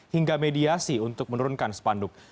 hingga mediasi untuk menurunkan spanduk